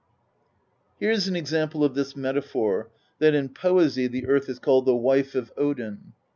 Here is an example of this metaphor, that in poesy the earth is called the Wife of Odin.